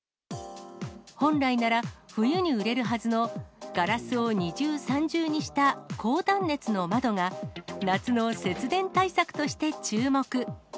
本来なら冬に売れるはずのガラスを二重、三重にした高断熱の窓が、夏の節電対策として注目。